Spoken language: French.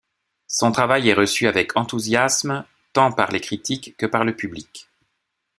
Son travail est reçu avec enthousiasme tant par les critiques que par le public.